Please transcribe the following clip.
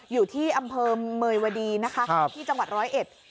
อยู่ที่อำเภอเมยวดีนะคะครับที่จังหวัดร้อยเอ็ด